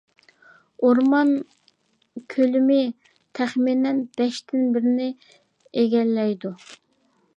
ئورمان كۆلىمى تەخمىنەن بەشتىن بىرىنى ئىگىلەيدۇ.